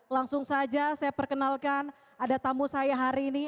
langsung saja saya perkenalkan ada tamu saya hari ini